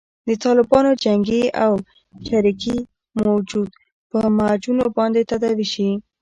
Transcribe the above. د طالبانو جنګي او چریکي وجود په معجونو باندې تداوي شي.